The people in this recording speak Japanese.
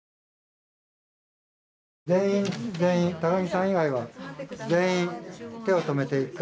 全員全員タカギさん以外は全員手を止めて一回。